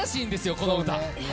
この歌。